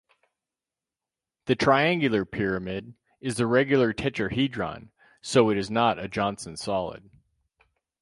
The "triangular pyramid" is the regular tetrahedron, so it is not a Johnson solid.